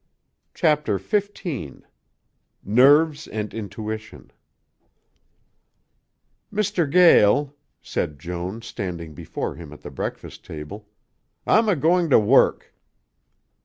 CHAPTER XV NERVES AND INTUITION "Mr. Gael," said Joan standing before him at the breakfast table, "I'm a goin' to work."